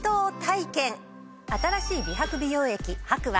新しい美白美容液ＨＡＫＵは。